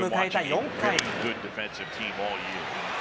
４回。